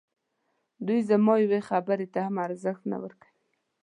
دوی زما یوې خبري ته هم ارزښت نه ورکوي.